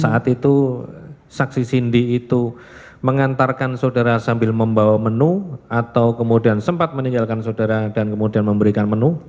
saat itu saksi cindy itu mengantarkan saudara sambil membawa menu atau kemudian sempat meninggalkan saudara dan kemudian memberikan menu